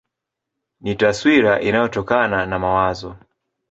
Ni taswira inayotokana na mawazo.